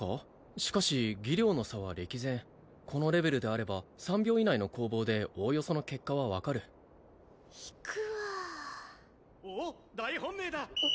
しかし技量の差は歴然このレベルであれば３秒以内の攻防でおおよその結果は分かる引くわあ・おっ大本命だ！